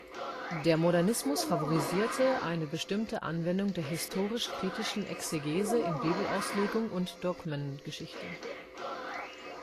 Der Modernismus favorisierte eine bestimmte Anwendung der historisch-kritischen Exegese in Bibelauslegung und Dogmengeschichte.